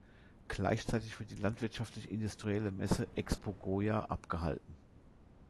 Gleichzeitig wird die landwirtschaftlich-industrielle Messe "Expo-Goya" abgehalten.